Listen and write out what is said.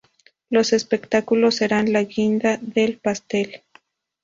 Los espectáculos serán la guinda del pastel.